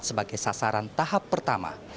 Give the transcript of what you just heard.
sebagai sasaran tahap pertama